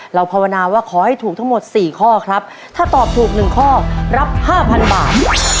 ภาวนาว่าขอให้ถูกทั้งหมด๔ข้อครับถ้าตอบถูก๑ข้อรับ๕๐๐บาท